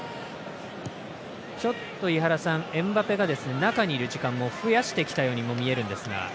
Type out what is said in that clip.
エムバペが中にいる時間も増やしてきたように見えるんですが。